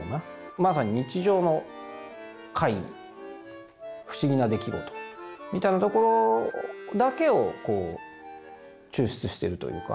まさに日常の怪異不思議な出来事みたいなところだけをこう抽出してるというか。